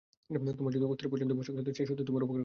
সেটা যদি তোমার পছন্দের পোশাক হতো, সে সত্যিই তোমার উপকার করতো।